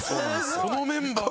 このメンバー。